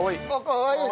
かわいい！